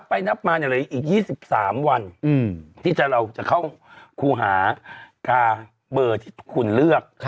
ไปนับมาเลยอีก๒๓วันที่เราจะเข้าคู่หากาเบอร์ที่คุณเลือก